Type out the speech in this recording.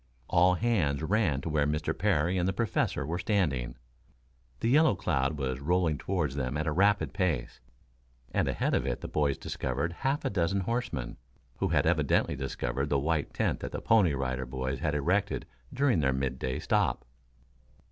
All hands ran to where Mr. Parry and the Professor were standing. The yellow cloud was rolling toward them at a rapid pace, and ahead of it the boys discovered half a dozen horsemen, who had evidently discovered the white tent that the Pony Rider Boys had erected during their midday stop.